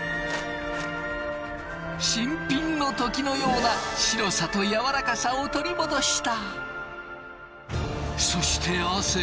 新品の時のような白さとやわらかさを取り戻した。